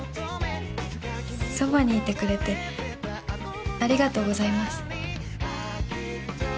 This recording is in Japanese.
そばにいてくれてありがとうございます。